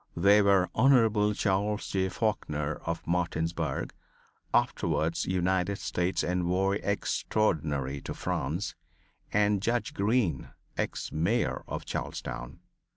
They were Honorable Charles J. Faulkner of Martinsburg, afterwards United States Envoy Extraordinary to France, and Judge Green, Ex Mayor of Charlestown.